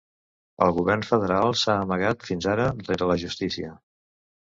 El govern federal s’ha amagat fins ara rere la justícia.